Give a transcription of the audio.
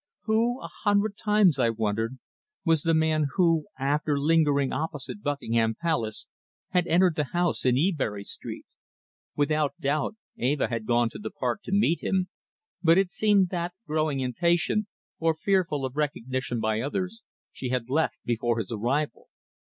Who, a hundred times I wondered, was the man who, after lingering opposite Buckingham Palace, had entered the house in Ebury Street? Without doubt Eva had gone to the park to meet him, but it seemed that, growing impatient, or fearful of recognition by others, she had left before his arrival.